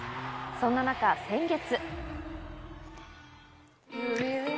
そんな中、先月。